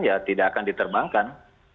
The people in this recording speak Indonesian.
ya tidak akan diterbangkan